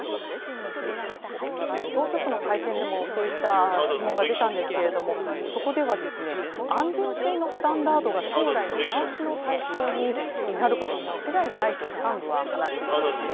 当局の会見でもそういった質問が出たんですがそこでは、安全性のスタンダードが将来、見直しの対象になることは間違いないと幹部は話しているんですね。